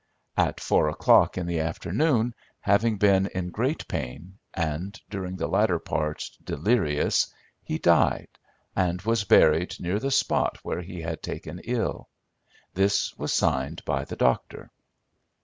At four o'clock in the afternoon, having been in great pain, and, during the latter part, delirious, he died, and was buried near the spot where he had taken ill. This was signed by the doctor.